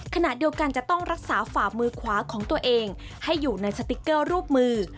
ขณะเดียวกันจะต้องรักษาฝ่ามือขวาของตัวเองให้อยู่ในสติ๊กเกอร์รูปมือ